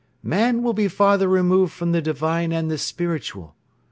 Man will be farther removed from the divine and the spiritual.